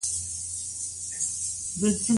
مورغاب سیند د افغانستان د طبیعي پدیدو یو رنګ دی.